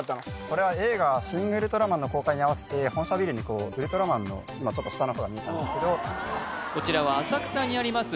これは映画「シン・ウルトラマン」の公開に合わせて本社ビルにこうウルトラマンの今ちょっと下の方が見えたんですけどこちらは浅草にあります